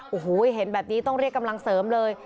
โอ้โหเห็นแบบนี้ต้องเรียกกำลังเสริมเลย